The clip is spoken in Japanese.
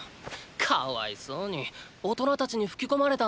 かわいそうに大人たちに吹き込まれたんだな。